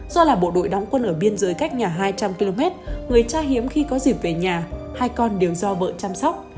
do là bộ đội đóng quân ở biên giới cách nhà hai trăm linh km người cha hiếm khi có dịp về nhà hai con đều do vợ chăm sóc